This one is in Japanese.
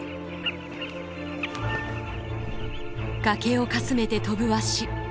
崖をかすめて飛ぶワシ。